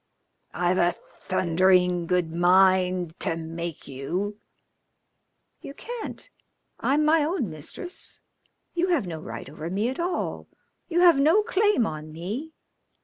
"I've a thundering good mind to make you." "You can't. I'm my own mistress. You have no right over me at all. You have no claim on me.